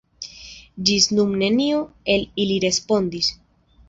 Ĝis nun neniu el ili respondis.